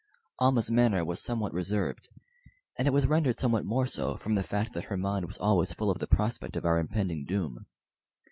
Almah's manner was somewhat reserved, and it was rendered somewhat more so from the fact that her mind was always full of the prospect of our impending doom.